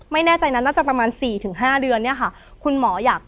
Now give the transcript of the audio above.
ไม่แน่ใจนะน่าจะประมาณ๔๕เดือนเนี่ยค่ะ